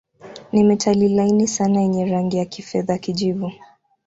Ni metali laini sana yenye rangi ya kifedha-kijivu.